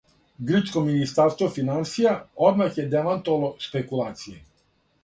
Грчко министарство финансија одмах је демантовало шпекулације.